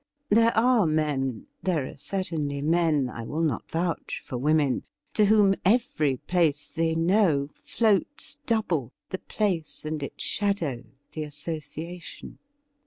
There are men — there are certainly men ; I will not vouch for women — to whom every place they know floats double — the place and its shadow, the association.